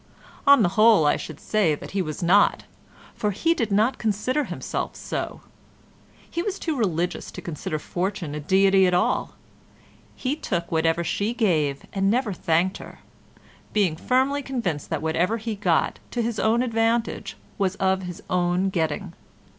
On the whole I should say that he was not, for he did not consider himself so; he was too religious to consider Fortune a deity at all; he took whatever she gave and never thanked her, being firmly convinced that whatever he got to his own advantage was of his own getting.